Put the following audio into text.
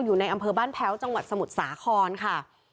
อยู่ในอำเภอบ้านแพ้วจังหวัดสมุทรสาครค่ะ